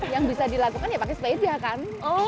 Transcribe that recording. yang bisa dilakukan ya pakai sepeda kan